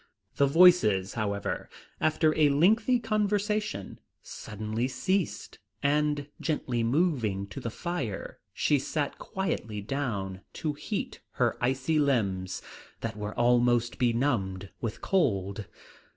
The voices, however, after a lengthy conversation, suddenly ceased, and gently moving to the fire, she sat quietly down to heat her icy limbs, that were almost benumbed with cold.